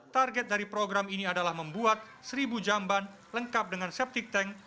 target dari program ini adalah membuat seribu jamban lengkap dengan septic tank